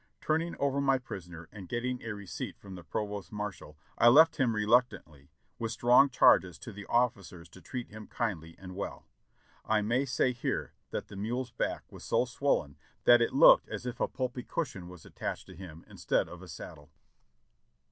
Turning over my pris oner and getting a receipt from the provost marshal, I left him reluctantly, with strong charges to the officers to treat him kindly and well. I may say here that the mule's back was so swollen that it looked as if a pulpy cushion was attached to him instead of a saddle.